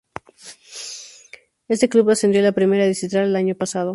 Este club, ascendió a la primera distrital el año pasado.